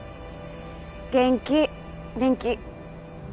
元気元気